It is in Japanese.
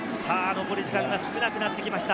残り時間が少なくなってきました。